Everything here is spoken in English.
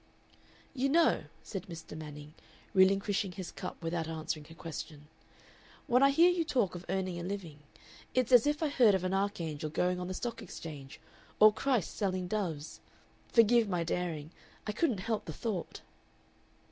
"You know ," said Mr. Manning, relinquishing his cup without answering her question, "when I hear you talk of earning a living, it's as if I heard of an archangel going on the Stock Exchange or Christ selling doves.... Forgive my daring. I couldn't help the thought."